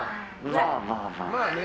まあ、まあまあ。